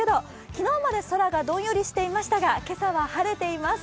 昨日まで空がどんよりしていましたが、今朝は晴れています。